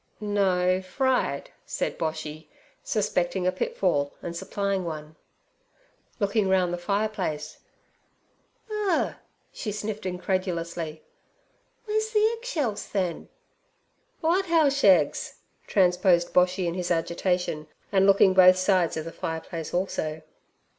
'No, fried' said Boshy, suspecting a pitfall and supplying one. Looking round the fireplace: 'Urgh!' she sniffed incredulously, 'w'ere's the egg shells, then?' 'W'at hell sheggs?' transposed Boshy in his agitation, and looking both sides of the fireplace also.